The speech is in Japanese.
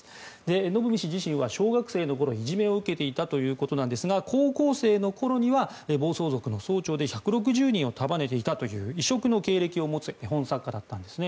のぶみ氏自身は小学生の頃にいじめを受けていたということですが高校生の頃には暴走族の総長で１６０人を束ねていたという異色の経歴を持つ絵本作家だったんですね。